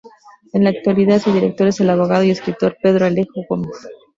En la actualidad su director es el abogado y escritor Pedro Alejo Gómez.